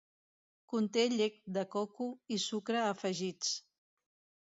Conté llet de coco i sucre afegits.